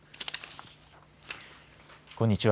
こんにちは。